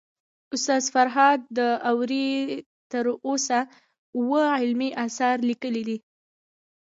استاد فرهاد داوري تر اوسه اوه علمي اثار ليکلي دي